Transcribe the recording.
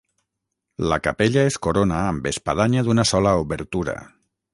La capella es corona amb espadanya d'una sola obertura.